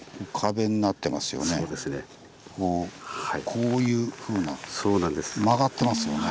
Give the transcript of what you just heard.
こういうふうな曲がってますよね。